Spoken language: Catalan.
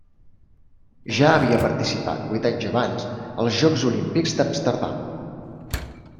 Ja havia participat vuit anys abans als Jocs Olímpics d'Amsterdam.